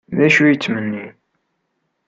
D acu ay yettmenni?